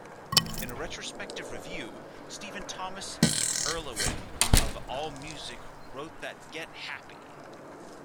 In a retrospective review, Stephen Thomas Erlewine of AllMusic wrote that Get Happy!!